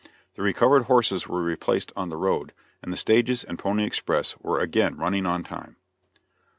The recovered horses were replaced on the road, and the stages and pony express were again running on time.